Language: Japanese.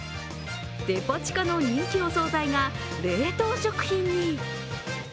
デパ地下の人気お総菜が冷凍食品に。